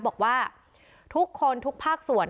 บอกว่าทุกคนทุกภาคส่วน